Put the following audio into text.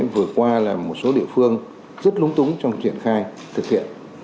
vừa qua là một số địa phương rất lúng túng trong triển khai thực hiện